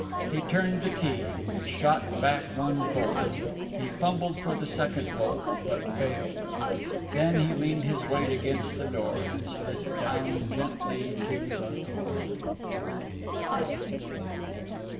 He turned the key and shot back one bolt. He fumbled for the second bolt, but failed. Then he leaned his weight against the door and slid down gently to the floor.